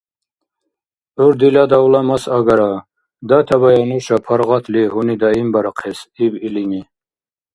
– ГӀур дила давла-мас агара, датабая нуша паргъатли гьуни даимбарахъес, - иб илини.